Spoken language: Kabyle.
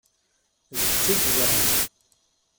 D kečč i yeẓṛan.